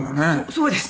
そうです。